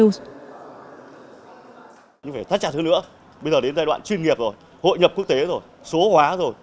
phải thắt chặt thứ nữa bây giờ đến giai đoạn chuyên nghiệp rồi hội nhập quốc tế rồi số hóa rồi